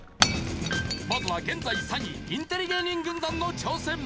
まずは現在３位インテリ芸人軍団の挑戦。